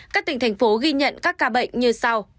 các tỉnh thành phố ghi nhận các ca bệnh như sau